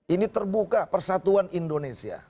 ini terbuka persatuan indonesia